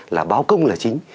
là báo công là chính